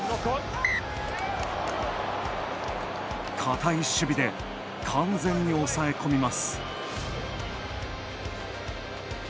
堅い守備で完全に抑え込みます。